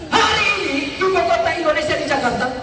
hari ini ibu kota indonesia di jakarta